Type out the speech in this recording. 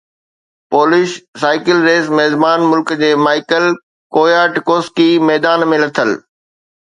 polish cycle race ميزبان ملڪ جي مائيڪل ڪوياٽڪوسڪي ميدان ۾ لٿل